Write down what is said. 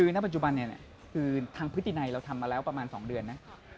ณปัจจุบันนี้คือทางพฤตินัยเราทำมาแล้วประมาณ๒เดือนนะ